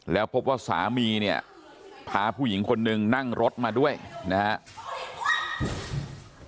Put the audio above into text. แล้วพบว่าสามีเนี่ยพาผู้หญิงคนนึงนั่งรถมาด้วยนะครับ